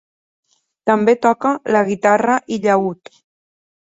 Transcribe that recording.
També toca la guitarra i llaüt.